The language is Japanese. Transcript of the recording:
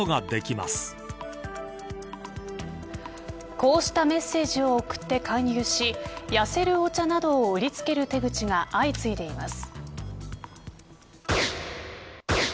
こうしたメッセージを送って勧誘し痩せるお茶などを売りつける手口が相次いでいます。